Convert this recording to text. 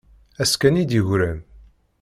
Ass kan i d-yegran.